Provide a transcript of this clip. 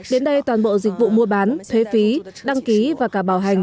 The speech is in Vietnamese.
đến đây toàn bộ dịch vụ mua bán thuế phí đăng ký và cả bảo hành